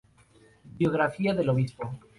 Biografía del Obispo